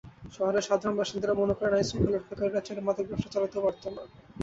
শহরের সাধারণ বাসিন্দারা মনে করেন, আইনশৃঙ্খলা রক্ষাকারীরা চাইলে মাদক ব্যবসা চলতে পারত না।